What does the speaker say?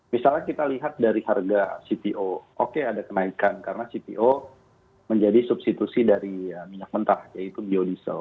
misalnya kita lihat dari harga cpo oke ada kenaikan karena cpo menjadi substitusi dari minyak mentah yaitu biodiesel